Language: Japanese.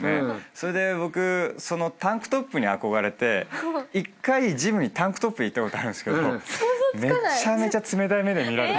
それで僕そのタンクトップに憧れて１回ジムにタンクトップで行ったことあるんすけどめちゃめちゃ冷たい目で見られて。